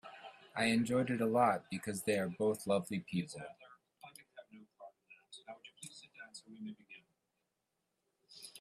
I enjoyed it a lot because they are both lovely people.